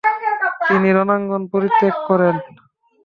তিনি রণাঙ্গন পরিত্যাগ করেন।